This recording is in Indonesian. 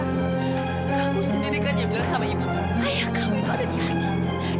kamu sendiri kan yang bilang sama ibu ayah kamu itu ada di hati